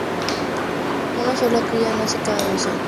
Una sola cría nace cada dos años.